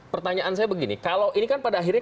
pertanyaan saya begini kalau ini kan pada akhirnya